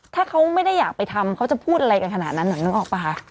ถ้าเขาไม่ได้อยากไปทำเขาจะพูดอะไรกันขนาดนั้นเหรอนึกออกป่ะคะ